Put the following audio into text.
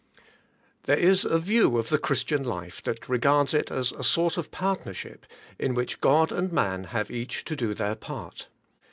THEEE is a view of the Christian life that regards it as a sort of partnership, in which God and man have each to do their part.